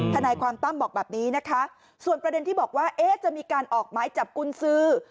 ทนายความตั้มบอกแบบนี้นะคะส่วนประเด็นที่บอกว่าเอ๊ะจะมีการออกหมายจับกุญสือ